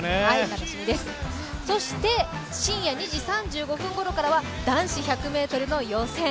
楽しみです、そして深夜２時３５分ごろからは男子１００ｍの予選。